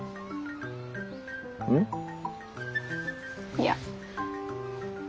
いや。